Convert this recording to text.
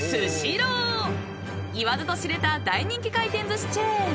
［言わずと知れた大人気回転寿司チェーン］